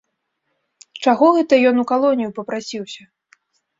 Чаго гэта ён у калонію папрасіўся?